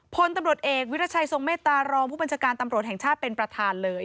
พลตำรวจเอกวิรัชัยทรงเมตตารองผู้บัญชาการตำรวจแห่งชาติเป็นประธานเลย